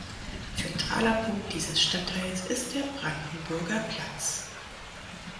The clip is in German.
Zentraler Punkt dieses Stadtteils ist der "Brandenburger Platz".